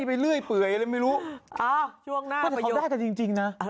ไม่ได้ก็จริงน่ะ